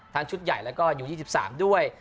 ชุดใหญ่แล้วก็อยู่๒๓ด้วย